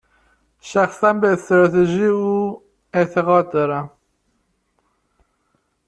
شخصا، به استراتژی او اعتقاد دارم.